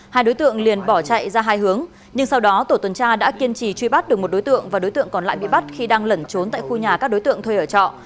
hai đối tượng liền bỏ chạy ra hai hướng nhưng sau đó tổ tuần tra đã kiên trì truy bắt được một đối tượng và đối tượng còn lại bị bắt khi đang lẩn trốn tại khu nhà các đối tượng thuê ở trọ